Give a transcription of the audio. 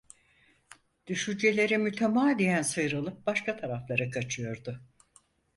Düşünceleri mütemadiyen sıyrılıp başka taraflara kaçıyordu.